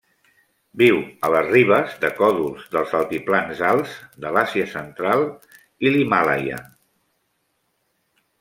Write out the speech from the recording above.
Viu a les ribes de còdols dels altiplans alts de l'Àsia Central i l'Himàlaia.